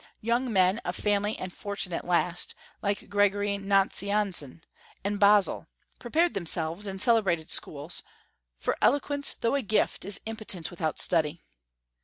Young men of family and fortune at last, like Gregory Nazianzen and Basil, prepared themselves in celebrated schools; for eloquence, though a gift, is impotent without study.